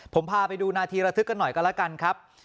ผมพาไปดูนาทีระทึกกันหน่อยกันแล้วกันครับ